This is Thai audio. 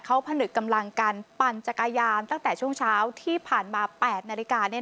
เขาผนึกกำลังกันปั่นจักรยานตั้งแต่ช่วงเช้าที่ผ่านมา๘นาฬิกา